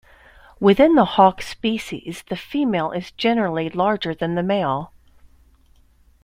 Within the hawk species, the female is generally larger than the male.